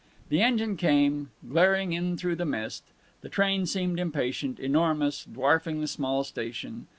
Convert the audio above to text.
The engine came, glaring in through the mist; the train seemed impatient, enormous, dwarfing the small station.